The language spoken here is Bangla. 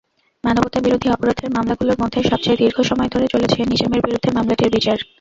মানবতাবিরোধী অপরাধের মামলাগুলোর মধ্যে সবচেয়ে দীর্ঘ সময় ধরে চলেছে নিজামীর বিরুদ্ধে মামলাটির বিচার।